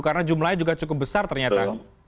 karena jumlahnya juga cukup besar ternyata